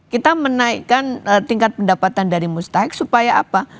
kita menaikkan tingkat pendapatan dari mustahic supaya apa